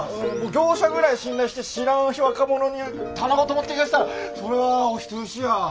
業者ぐらい信頼して知らん若者に棚ごと持っていかせたらそらはお人よしや。